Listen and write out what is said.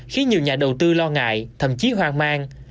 khiến nhiều nhà đầu tư lo ngại thậm chí hoang mang